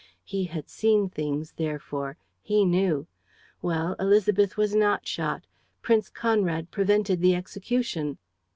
He had seen things, therefore. He knew. Well, Élisabeth was not shot. Prince Conrad prevented the execution."